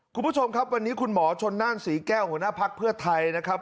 คุณผู้ชมครับวันนี้คุณหมอชนน่านศรีแก้วหัวหน้าภักดิ์เพื่อไทยนะครับ